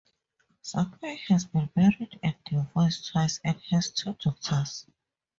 Sakai has been married and divorced twice, and has two daughters.